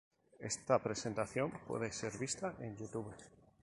Esta presentación puede ser vista en YouTube.